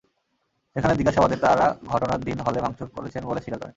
সেখানে জিজ্ঞাসাবাদে তাঁরা ঘটনার দিন হলে ভাঙচুর করেছেন বলে স্বীকার করেন।